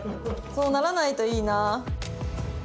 そうならないといいな。